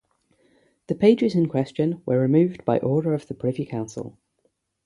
The pages in question were removed by order of the Privy Council.